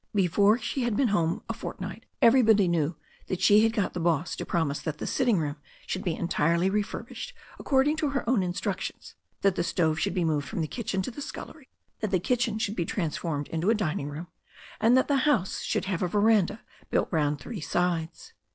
Be fore she had been home a fortnight everybody knew that THE STORY OF A NEW ZEALAND RIVER 253 she had got the boss to promise that the sitting room should be entirely refurnished according to her own instructions, that the stove should be moved from the kitchen to the scullery, that the kitchen should be transformed into a dining room, and that the house should have a veranda built round three sides.